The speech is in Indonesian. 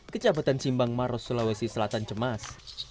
kecamatan simbang maros sulawesi selatan cemas